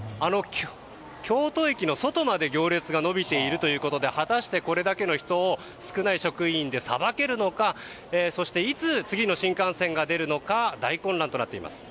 京都駅の外まで行列が延びているということで果たして、これだけの人を少ない職員でさばけるのかそしていつ次の新幹線が出るのか大混乱となっています。